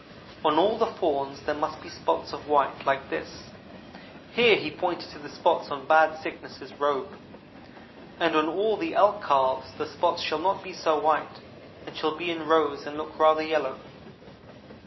On all the fawns there must be spots of white like this (here he pointed to the spots on Bad Sickness's robe) and on all of the elk calves the spots shall not be so white and shall be in rows and look rather yellow.'